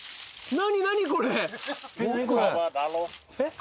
何？